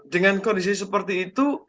dengan kondisi seperti itu